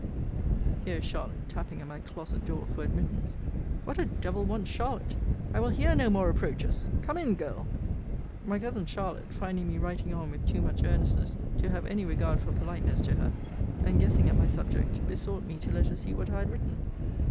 Here is Charlotte tapping at my closet door for admittance. What a devil wants Charlotte? I will hear no more reproaches! Come in, girl! My cousin Charlotte, finding me writing on with too much earnestness to have any regard for politeness to her, and guessing at my subject, besought me to let her see what I had written.